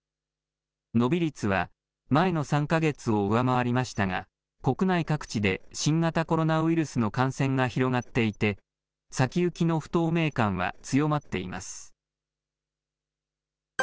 伸び率は前の３か月を上回りましたが、国内各地で新型コロナウイルスの感染が広がっていて、先行きの不透明感は強まっています。